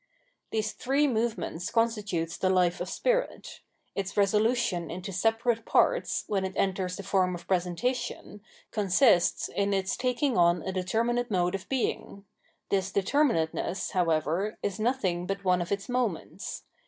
These three movements constitute the life of spirit. Its resolution into separate parts, when it enters the form of presentation, consists in its takmg on a deter minate mode of being ; this determinateness, however, is nothing but one of its moments.